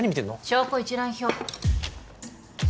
証拠一覧表。